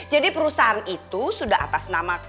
jadi perusahaan itu sudah atas nama gue